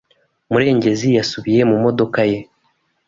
Murengezi yasubiye mu modoka ye.